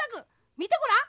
みてごらん。